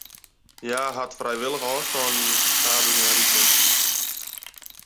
Hja hat frijwillich ôfstân dien fan status en rykdom.